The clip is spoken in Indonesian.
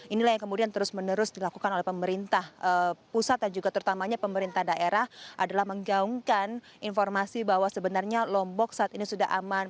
inilah yang kemudian terus menerus dilakukan oleh pemerintah pusat dan juga terutamanya pemerintah daerah adalah menggaungkan informasi bahwa sebenarnya lombok saat ini sudah aman